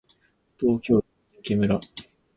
東京都三宅村